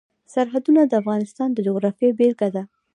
سرحدونه د افغانستان د جغرافیې بېلګه ده.